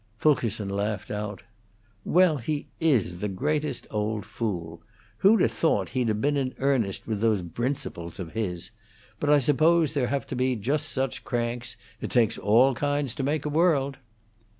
Fulkerson laughed out. "Well, he is the greatest old fool! Who'd 'a' thought he'd 'a' been in earnest with those 'brincibles' of his? But I suppose there have to be just such cranks; it takes all kinds to make a world."